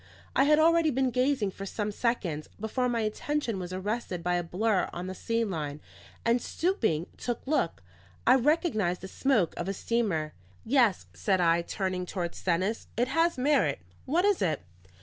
I had already been gazing for some seconds, before my attention was arrested by a blur on the sea line; and stooping to look, I recognised the smoke of a steamer. "Yes," said I, turning toward Stennis, "it has merit. What is it?"